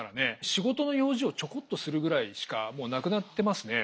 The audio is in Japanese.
仕事の用事をちょこっとするぐらいしかもうなくなってますね。